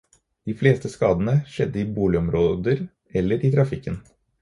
De fleste skadene skjedde i boligområder eller i trafikken.